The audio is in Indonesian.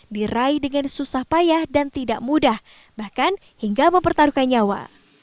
diraih dengan susah payah dan tidak mudah bahkan hingga mempertaruhkan nyawa